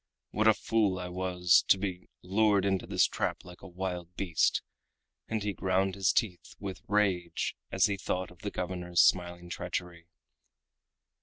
"What a fool I was to be lured into this trap like a wild beast!" and he ground his teeth with rage as he thought of the governor's smiling treachery.